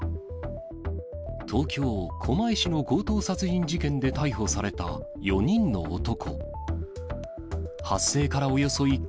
東京・狛江市の強盗殺人事件で逮捕された４人の男。